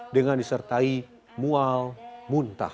dengan disertai mual muntah